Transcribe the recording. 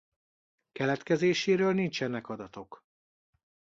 Keletkezéséről nincsenek adatok.